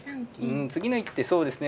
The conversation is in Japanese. うん次の一手そうですね